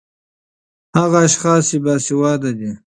ـ هغه اشخاص چې باسېواده دي